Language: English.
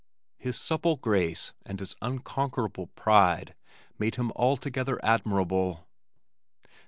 His supple grace and his unconquerable pride made him altogether admirable.